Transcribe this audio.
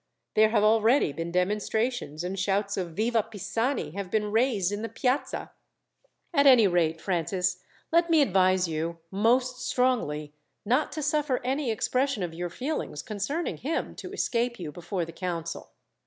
There have already been demonstrations, and shouts of 'Viva Pisani!' have been raised in the Piazza. "At any rate, Francis, let me advise you, most strongly, not to suffer any expression of your feelings concerning him to escape you before the council.